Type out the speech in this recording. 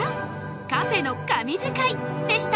カフェの神図解でした